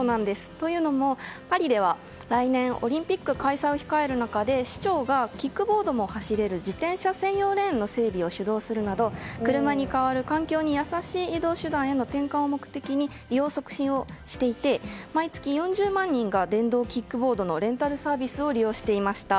というのも、パリでは来年、オリンピック開催を控える中で市長が、キックボードも走れる自転車専用レーンの整備を主導するなど車に代わる環境に優しい移動手段への転換を目的に利用促進をしていて毎月４０万人が電動キックボードのレンタルサービスを利用していました。